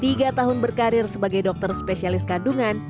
tiga tahun berkarir sebagai dokter spesialis kandungan